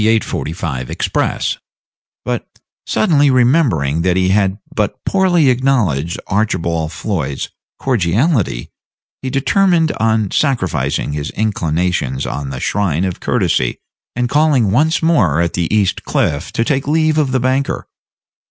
45 express; but suddenly remembering that he had but poorly acknowledged Archibald Floyd's cordiality, he determined on sacrificing his inclinations on the shrine of courtesy, and calling once more at the East Cliff to take leave of the banker.